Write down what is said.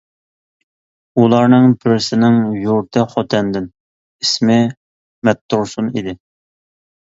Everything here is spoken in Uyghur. ئۇلارنىڭ بىرسىنىڭ يۇرتى خوتەندىن، ئىسمى مەتتۇرسۇن ئىدى.